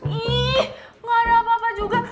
ih gak ada apa apa juga